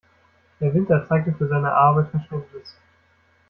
Herr Winter zeigte für seine Arbeit Verständnis.